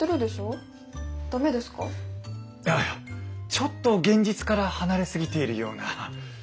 ちょっと現実から離れ過ぎているような。